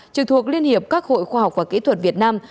trực thuộc liên hiệp các hội khoa học và kỹ thuật việt nam